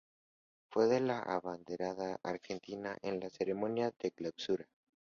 Fue la abanderada argentina en la ceremonia de clausura.